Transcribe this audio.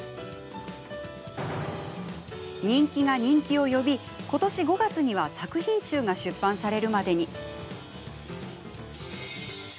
人気が人気を呼んでことし５月には作品集が出版されるまでになりました。